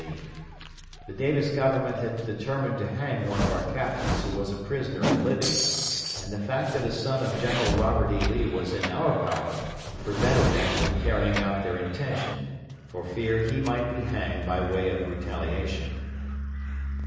Lee. The Davis Government had determined to hang one of our captains who was a prisoner in Libby, and the fact that a son of General Robert E. Lee was in our power prevented them from carrying out their intention for fear he might be hanged by way of retaliation.